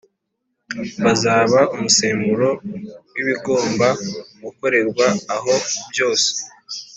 bizaba umusemburo w ibigomba gukorerwa aho byose